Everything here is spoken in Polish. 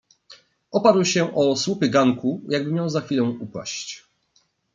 "Oparł się o słupy ganku, jakby miał za chwilę upaść."